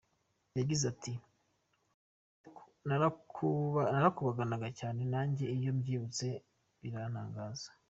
Yagize ati “Narakubaganaga cyane nanjye iyo mbyibutse birantagaza.